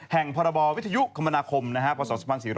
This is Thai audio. แห่งพวิทยุคมนาคมปศ๒๔๙๘